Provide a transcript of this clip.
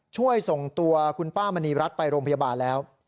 ช่วยส่งตัวคุณป้ามณีรัฐไปโรงพยาบาลแล้ว